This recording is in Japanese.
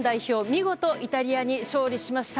見事イタリアに勝利しました。